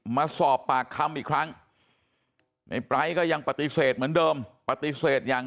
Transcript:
มาสอบปากคำอีกครั้งในปลายก็ยังปฏิเสธเหมือนเดิมปฏิเสธอย่าง